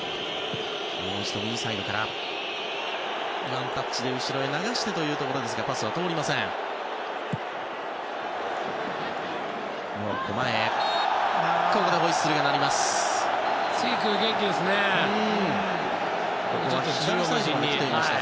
ワンタッチで後ろへ流してというところパスは通りませんでした。